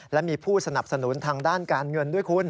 และมีผู้สนับสนุนทางด้านการเงินด้วยคุณ